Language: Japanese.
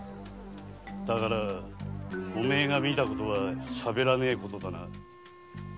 だからお前が見たことは喋らねえことだな。